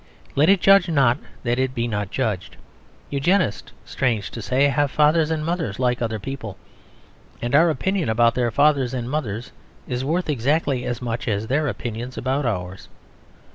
Let it judge not that it be not judged. Eugenists, strange to say, have fathers and mothers like other people; and our opinion about their fathers and mothers is worth exactly as much as their opinions about ours.